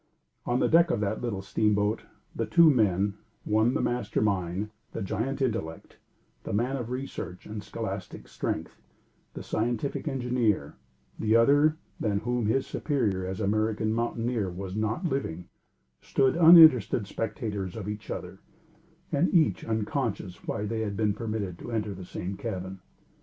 On the deck of that little steamboat, the two men, the one the master mind, the giant intellect, the man of research and scholastic strength, the scientific engineer; the other, than whom his superior as an American mountaineer was not living, stood, uninterested spectators of each other; and, each, unconscious why they had been permitted to enter the same cabin.